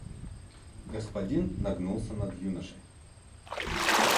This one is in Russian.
Господин нагнулся над юношей.